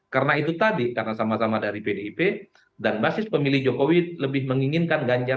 karena itu tadi karena sama sama dari pdip dan basis pemilih jokowi lebih menginginkan ganjar